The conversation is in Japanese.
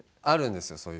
あるんですよ。